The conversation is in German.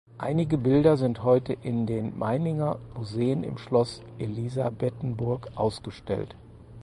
Einige Bilder sind heute in den Meininger Museen im Schloss Elisabethenburg ausgestellt.